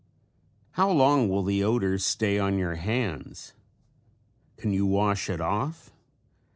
How long will the odor stay on your hands? Can you wash it off?